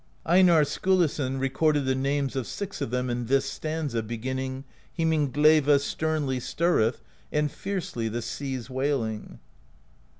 ^ Einarr Skulason recorded the names of six of them in this stanza, beginning: Himinglaeva sternly stirreth. And fiercely, the sea's wailing.